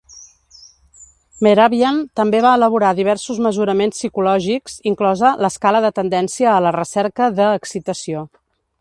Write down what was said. Mehrabian també va elaborar diversos mesuraments psicològics, inclosa l'"Escala de tendència a la recerca de excitació".